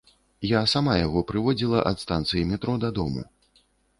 Я сама яго прыводзіла ад станцыі метро дадому.